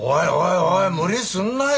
おい無理すんなよ